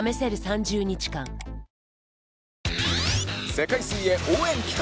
世界水泳応援企画